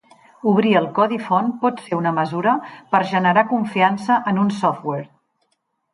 Obrir el codi font pot ser una mesura per generar confiança en un software.